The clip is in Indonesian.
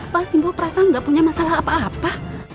bah simbo perasa gak punya masalah apa apa